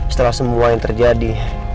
setelah semua yang terjadi